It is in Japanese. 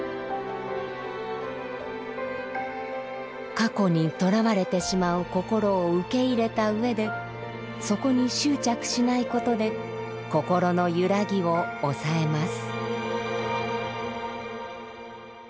過去にとらわれてしまう心を受け入れたうえでそこに執着しないことで心の揺らぎを抑えます。